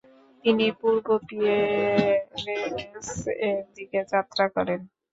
তিনি পূর্ব পিয়েরেনেস-এর দিকে যাত্রা করেন।